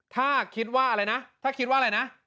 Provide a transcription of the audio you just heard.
ถ้าคิดว่าอะไรนะ